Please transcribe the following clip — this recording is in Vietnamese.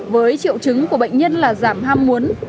với triệu chứng của bệnh nhân là giảm ham muốn